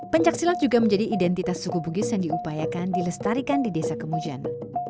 pencaksilat juga menjadi identitas suku bugis yang diupayakan dilestarikan di desa kemujan